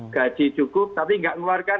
gaji cukup tapi nggak ngeluarkan